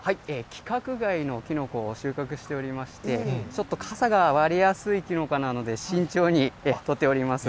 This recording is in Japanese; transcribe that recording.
規格外のキノコを収穫しておりまして、ちょっとかさが割れやすいキノコなので、慎重に採っております。